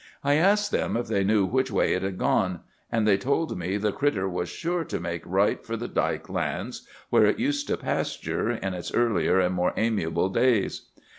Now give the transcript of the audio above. I asked them if they knew which way it had gone; and they told me the "critter" was sure to make right for the dike lands, where it used to pasture in its earlier and more amiable days.